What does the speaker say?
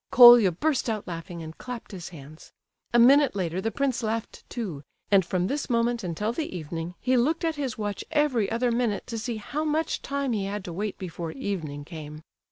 Colia burst out laughing and clapped his hands. A minute later the prince laughed too, and from this moment until the evening he looked at his watch every other minute to see how much time he had to wait before evening came.